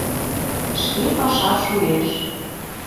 Шке паша шуэш.